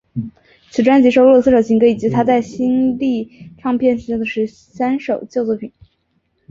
此专辑收录了四首新歌以及她在新力唱片时期的十三首旧作品。